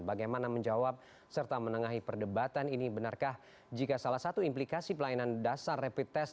bagaimana menjawab serta menengahi perdebatan ini benarkah jika salah satu implikasi pelayanan dasar rapid test